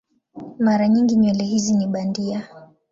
Mara nyingi nywele hizi ni bandia.